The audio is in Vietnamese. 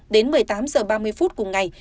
đến một mươi tám h ba mươi cùng ngày